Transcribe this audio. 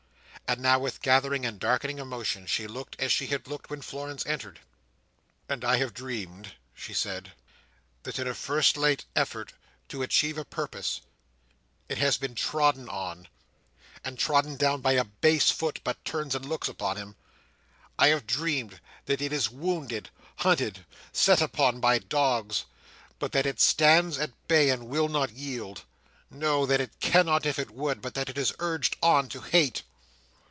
And now with gathering and darkening emotion, she looked as she had looked when Florence entered. "And I have dreamed," she said, "that in a first late effort to achieve a purpose, it has been trodden on, and trodden down by a base foot, but turns and looks upon him. I have dreamed that it is wounded, hunted, set upon by dogs, but that it stands at bay, and will not yield; no, that it cannot if it would; but that it is urged on to hate."